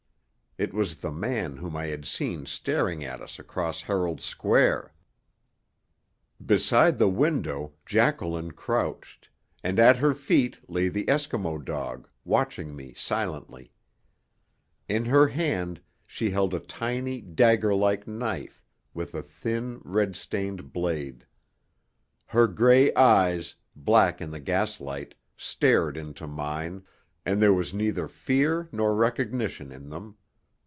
It was the man whom I had seen staring at us across Herald Square. Beside the window Jacqueline crouched, and at her feet lay the Eskimo dog, watching me silently. In her hand she held a tiny, dagger like knife, with a thin, red stained blade. Her grey eyes, black in the gas light, stared into mine, and there was neither fear nor recognition in them.